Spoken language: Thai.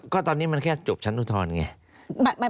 ก็ตอนนี้มันแค่จบชั้นอุทธรณ์ไง